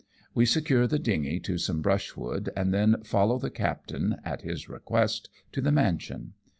We secure the dingy to some brushwood, and then follow the captain, at his request, to the mansion.